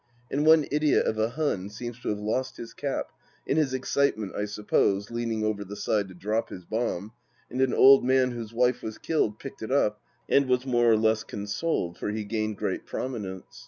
And one idiot of a Hun seems to have lost his cap — in his excite ment, I suppose, leaning over the side to drop his bomb — and an old man, whose wife was killed, picked it up and was more or less consoled, for he gained great prominence.